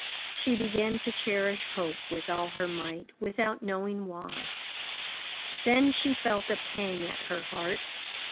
She began to cherish hope, with all her might, without knowing why. Then she felt a pang at her heart.